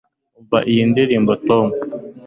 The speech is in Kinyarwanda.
Umva iyi ndirimbo Tom